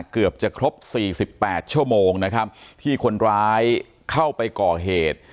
เกือบจะครบ๔๘ชั่วโมงนะครับที่คนร้ายเข้าไปก่อเหตุ